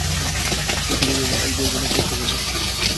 শশী বলিল, আজ বলব না, পরশু শুনো।